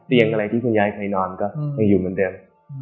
อะไรที่คุณยายเคยนอนก็ยังอยู่เหมือนเดิม